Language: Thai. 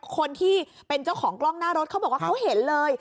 คนที่เป็นเจ้าของกล้องหน้ารถเขาบอกว่าเขาเห็นเลย